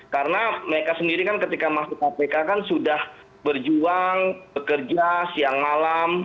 karena mereka sendiri kan ketika masuk kpk kan sudah berjuang bekerja siang malam